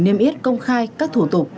niêm yết công khai các thủ tục